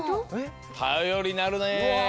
たよりになるね！